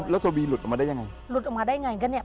แล้วเจ้าบีหลุดออกมาได้ยังไงหลุดออกมาได้ไงก็เนี่ย